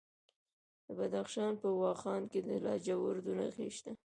د بدخشان په واخان کې د لاجوردو نښې شته.